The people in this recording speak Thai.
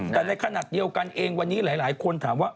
แต่ในขณะเดียวกันเองวันนี้หลายคนถามว่า